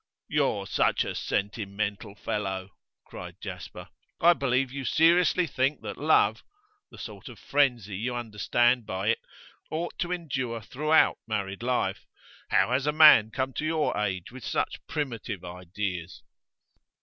'You're such a sentimental fellow!' cried Jasper. 'I believe you seriously think that love the sort of frenzy you understand by it ought to endure throughout married life. How has a man come to your age with such primitive ideas?